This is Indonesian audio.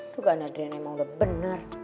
tuh kan adriana emang udah bener